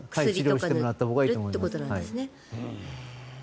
治療してもらったほうがいいと思います。